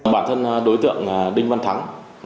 bản thân đối tượng đinh văn thắng